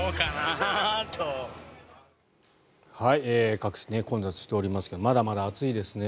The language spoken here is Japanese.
各地、混雑しておりますがまだまだ暑いですね。